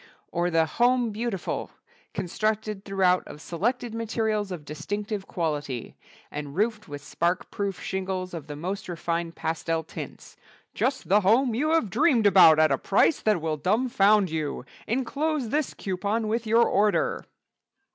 Or the "Home Beautiful," constructed throughout of selected materials of distinctive quality, and roofed with spark proof shingles of the most refined pastel tints, "_just the home you have dreamed about at a price that will dumfound you! Enclose this coupon with your order.